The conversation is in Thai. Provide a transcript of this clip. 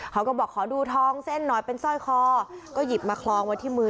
เขาก็บอกขอดูทองเส้นหน่อยเป็นสร้อยคอก็หยิบมาคลองไว้ที่มือ